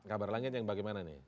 kabar langit yang bagaimana nih